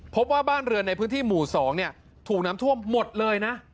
พบว่าบ้านเรือนในพื้นที่หมู่๒ถูกน้ำท่วมหมดเลยนะ